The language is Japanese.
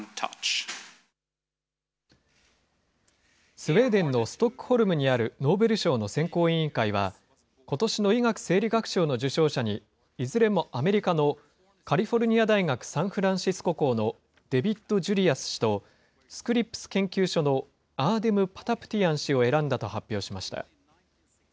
スウェーデンのストックホルムにあるノーベル賞の選考委員会は、ことしの医学・生理学賞の受賞者に、いずれもアメリカのカリフォルニア大学サンフランシスコ校のデビッド・ジュリアス氏と、スクリップス研究所のアーデム・パタプティアン氏を選んだと発表しました。